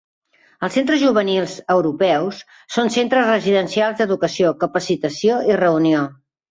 Els Centres Juvenils Europeus són centres residencials d'educació, capacitació i reunió.